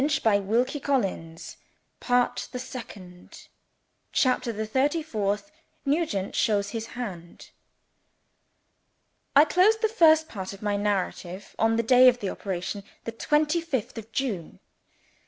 THE END OF THE FIRST PART PART THE SECOND CHAPTER THE THIRTY FOURTH Nugent shows his Hand I CLOSED the First Part of my narrative on the day of the operation, the twenty fifth of June.